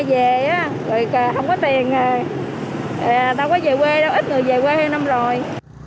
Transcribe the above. ít người về quê hơn năm rồi